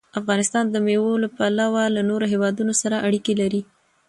افغانستان د مېوو له پلوه له نورو هېوادونو سره اړیکې لري.